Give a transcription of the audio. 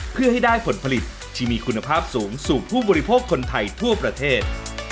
เพื่อให้ได้ผลผลิตที่มีคุณภาพสูงสู่ผู้บริโภคคนไทยทั่วประเทศ